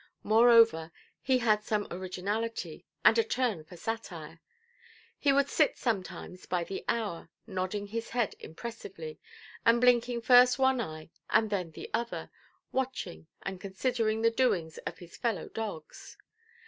Moreover, he had some originality, and a turn for satire. He would sit sometimes by the hour, nodding his head impressively, and blinking first one eye and then the other, watching and considering the doings of his fellow–dogs.